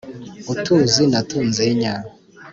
utuzi na tunzinya